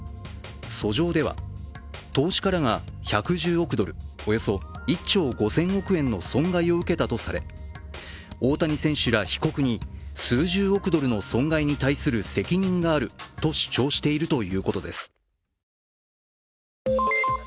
訴状では、投資家らが１１０億ドルおよそ１兆５０００億円の損害を受けたとされ大谷選手ら被告に数十億ドルの損害に対する責任があると主張しているということです。